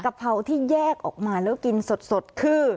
เพราที่แยกออกมาแล้วกินสดคือ